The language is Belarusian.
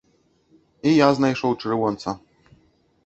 І я знайшоў чырвонца.